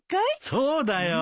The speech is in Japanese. そうだよ。